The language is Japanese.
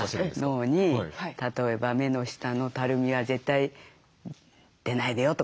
脳に例えば「目の下のたるみは絶対出ないでよ」とか。